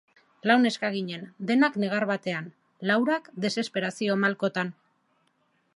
Lau neska ginen, denak negar batean, laurak desesperazio-malkotan.